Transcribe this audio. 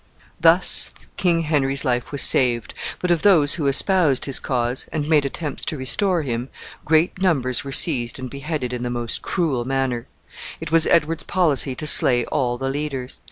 Thus King Henry's life was saved, but of those who espoused his cause, and made attempts to restore him, great numbers were seized and beheaded in the most cruel manner. It was Edward's policy to slay all the leaders.